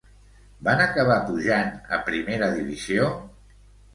Van acabar pujant a primera divisió?